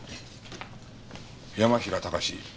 山平隆志。